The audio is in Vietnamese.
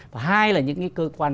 và hai là những cái cơ quan